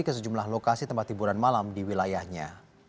ke sejumlah lokasi tempat hiburan malam di wilayahnya